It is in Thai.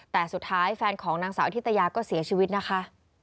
แต่สุดท้ายแฟนของนางสาวอธิตยาก็เสียชีวิตนะคะ